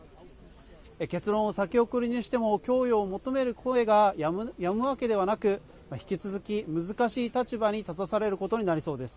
結論を先送りにしても供与を求める声がやむわけではなく、引き続き難しい立場に立たされることになりそうです。